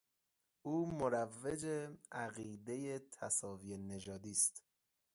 او مروج عقیدهی تساوی نژادی است.